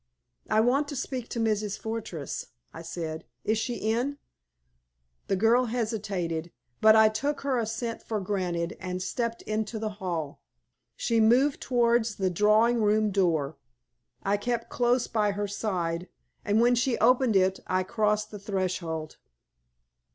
"I want to speak to Mrs. Fortress," I said. "Is she in?" The girl hesitated, but I took her assent for granted, and stepped into the hall. She moved towards the drawing room door. I kept close by her side, and when she opened it I crossed the threshold.